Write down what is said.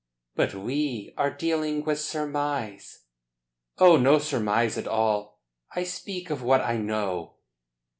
"But we are dealing with surmise." "Oh, no surmise at all. I speak of what I know."